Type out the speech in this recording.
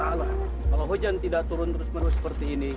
kalau hujan tidak turun terus menerus seperti ini